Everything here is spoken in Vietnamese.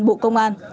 bộ công an